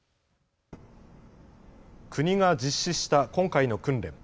国が実施した今回の訓練。